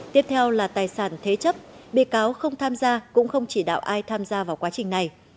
tiếp theo là tài sản thế chấp bị cáo không tham gia cũng không chỉ đạo ai tham gia vào quá trình này